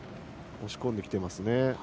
押し込んできていますね。